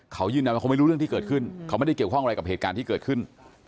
เขายืนยันว่าเขาไม่รู้เรื่องที่เกิดขึ้นเขาไม่ได้เกี่ยวข้องอะไรกับเหตุการณ์ที่เกิดขึ้น